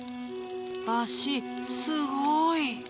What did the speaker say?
あしすごい。